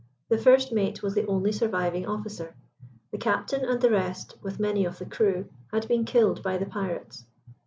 The first mate was the only surviving officer; the captain and the rest, with many of the crew, had been killed by the pirates.